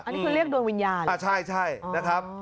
อันนี้คือเรียกดวงวิญญาณอ่าใช่ใช่นะครับ